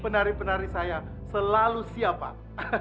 penari penari saya selalu siap pak